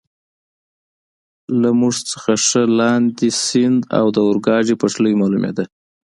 له موږ نه ښه لاندې، سیند او د اورګاډي پټلۍ معلومېده.